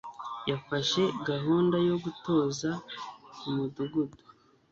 yafashe gahunda yo gutoza ku mudugudu